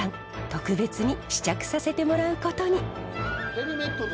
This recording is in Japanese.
特別に試着させてもらうことに。